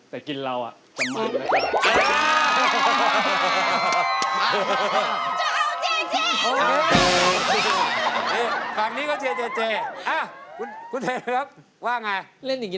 แต่กินราวจะเหมือนเหมือนไม่